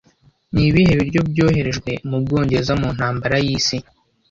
Ni ibihe biryo byoherejwe mu Bwongereza mu intambara y'isi